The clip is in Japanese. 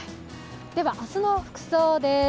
明日の服装です。